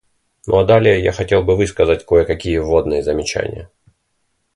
Ну а далее я хотел бы высказать кое-какие вводные замечания.